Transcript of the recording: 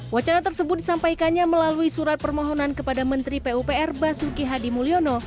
wacana tersebut disampaikannya melalui surat permohonan kepada menteri pupr basuki hadi mulyono